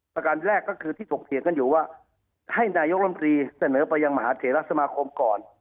ประการแรกก็คือที่ถกเถียงกันอยู่ว่าให้นายกรรมตรีเสนอไปยังมหาเถระสมาคมก่อน